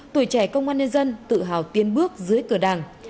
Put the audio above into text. tuổi trẻ công an nhân dân tự hào tiến bước dưới cửa đảng